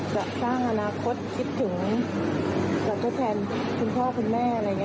จะสร้างอนาคตคิดถึงจักรแทนคุณพ่อคุณแม่